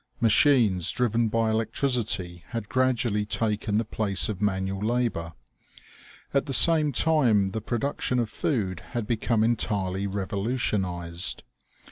Machines driven by electricity had gradually taken the place of manual labor. At the same time the produc tion of food had become entirely revolutionized.